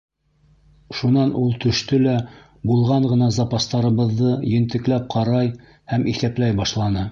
Шунан ул төштө лә булған ғына запастарыбыҙҙы ентекләп ҡарай һәм иҫәпләй башланы.